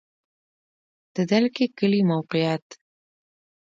د دلکي کلی موقعیت